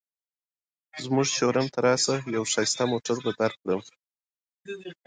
کوتره د بل مرغه ځاله نه نیسي.